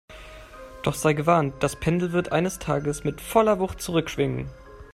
Doch sei gewarnt, das Pendel wird eines Tages mit voller Wucht zurückschwingen!